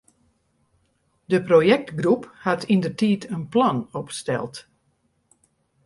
De projektgroep hat yndertiid in plan opsteld.